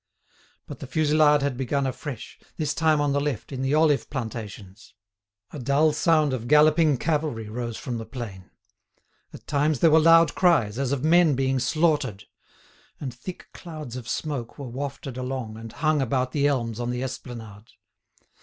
But the fusillade had begun afresh, this time on the left, in the olive plantations. A dull sound of galloping cavalry rose from the plain. At times there were loud cries, as of men being slaughtered. And thick clouds of smoke were wafted along and hung about the elms on the esplanade.